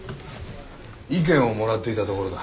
意見をもらっていたところだ。